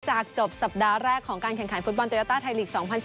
จบสัปดาห์แรกของการแข่งขันฟุตบอลโยต้าไทยลีก๒๐๑๙